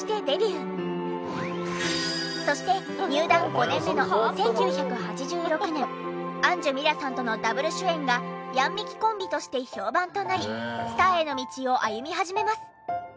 そして入団５年目の１９８６年安寿ミラさんとのダブル主演がヤンミキコンビとして評判となりスターへの道を歩み始めます。